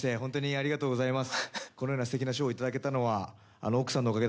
ありがとうございます。